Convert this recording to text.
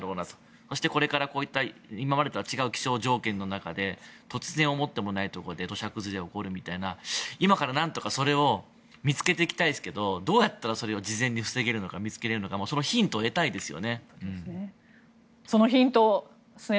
そして、これから今までとは違う気象条件の中で突然思ってもないところで土砂崩れが起こるというような今からなんとかそれを見つけていきたいですがどうやったらそれが事前に見つかるのかそのヒントを得たいですよね。